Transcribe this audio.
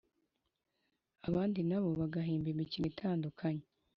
abandi na bo bagahimba imikino itandukanye